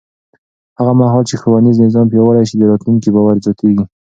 هغه مهال چې ښوونیز نظام پیاوړی شي، د راتلونکي باور زیاتېږي.